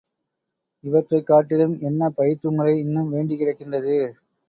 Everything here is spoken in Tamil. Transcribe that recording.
இவற்றைக் காட்டிலும் என்ன பயிற்று முறை இன்னும் வேண்டிக் கிடக்கின்றது?